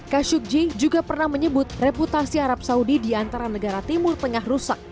khashoggi juga pernah menyebut reputasi arab saudi di antara negara timur tengah rusak